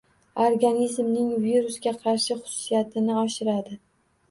Organizmning virusga qarshi xususiyatini oshiradi.